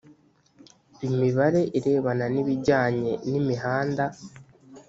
imibare irebana n ibijyanye n imihanda